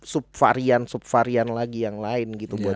subvarian subvarian lagi yang lain